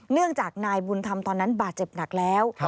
เนื่องจากนายบุญธรรมตอนนั้นบาดเจ็บหนักแล้ว